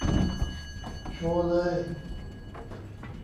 โชว์เลย